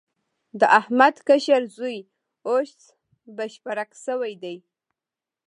د احمد کشر زوی اوس بشپړک شوی دی.